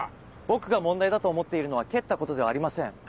僕が問題だと思っているのは蹴ったことではありません。